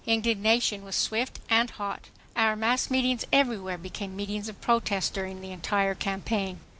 Indignation was swift and hot. Our mass meetings everywhere became meetings of protest during the entire campaign.